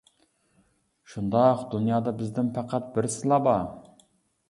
شۇنداق، دۇنيادا بىزدىن پەقەت بىرسىلا بار.